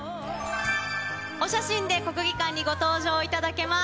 お写真で国技館にご登場いただけます。